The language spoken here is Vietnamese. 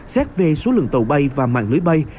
xét về số lượng tàu bay và mạng lưới bay